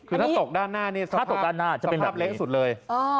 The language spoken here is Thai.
คือถ้าตกด้านหน้าเนี่ยสภาพเล็กสุดเลย